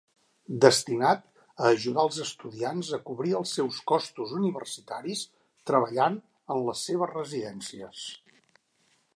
Destinat a ajudar els estudiants a cobrir els seus costos universitaris treballant en les seves residències.